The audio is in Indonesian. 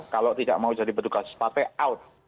kalau tidak mau jadi petugas partai out